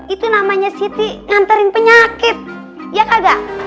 itu namanya siti nganterin penyakit ya kagak